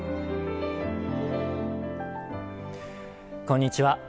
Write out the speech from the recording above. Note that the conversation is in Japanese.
こんにちは。